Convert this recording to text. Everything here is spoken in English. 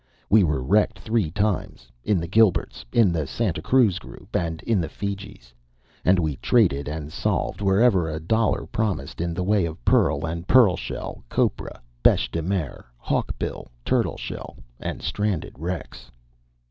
We were wrecked three times in the Gilberts, in the Santa Cruz group, and in the Fijis. And we traded and salved wherever a dollar promised in the way of pearl and pearl shell, copra, beche de mer, hawkbill turtle shell, and stranded wrecks.